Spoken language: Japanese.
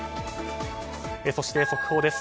そして、速報です。